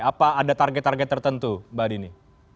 apa ada target target tertentu mbak dini